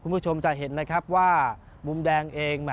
คุณผู้ชมจะเห็นนะครับว่ามุมแดงเอง